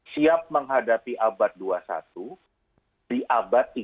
siap menghadapi abad dua puluh satu di abad tiga